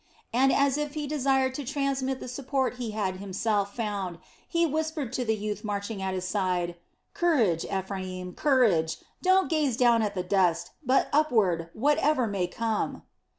and as if he desired to transmit the support he had himself found he whispered to the youth marching at his side: "Courage, Ephraim, courage! Don't gaze down at the dust, but upward, whatever may come."